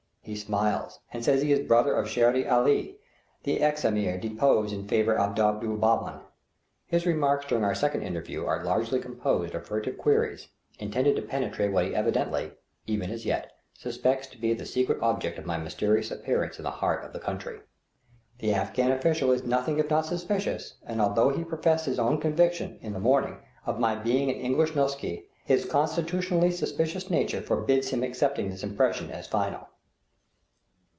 He smiles and says he is a brother of Shere Ali, the ex Ameer deposed in favor of Abdur Bahman. His remarks during our second interview are largely composed of furtive queries, intended to penetrate what he evidently, even as yet, suspects to be the secret object of my mysterious appearance in the heart of the country. The Afghan official is nothing if not suspicious, and although he professed his own conviction, in the morning, of my being an English "nokshi," his constitutionally suspicious nature forbids him accepting this impression as final.